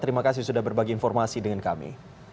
terima kasih sudah berbagi informasi dengan kami